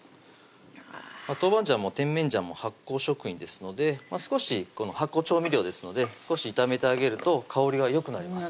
豆板醤も甜麺醤も発酵食品ですので少し発酵調味料ですので少し炒めてあげると香りがよくなります